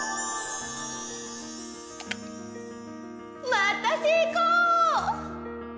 またせいこう！